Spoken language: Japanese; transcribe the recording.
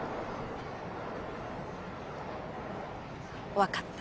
わかった。